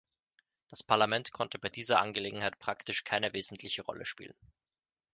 Das Parlament konnte bei dieser Angelegenheit praktisch keine wesentliche Rolle spielen.